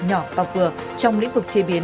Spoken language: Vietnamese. nhỏ và vừa trong lĩnh vực chế biến